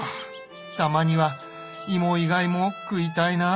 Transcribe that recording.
たまには芋以外も食いたいなあ。